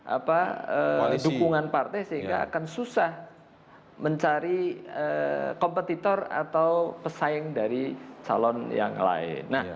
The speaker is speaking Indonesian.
apa dukungan partai sehingga akan susah mencari kompetitor atau pesaing dari calon yang lain